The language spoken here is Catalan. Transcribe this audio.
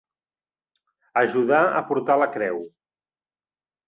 Ajudar a portar la creu.